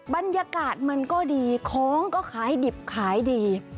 บรรยากาศมันก็ดีของก็ขายดิบขายดี